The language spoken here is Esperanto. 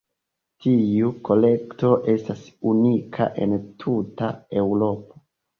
Tiu kolekto estas unika en tuta Eŭropo.